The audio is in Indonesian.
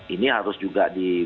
ini harus juga diperhatikan